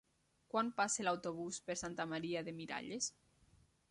Quan passa l'autobús per Santa Maria de Miralles?